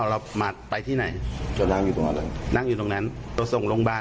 จะไม่พามาโรงบาล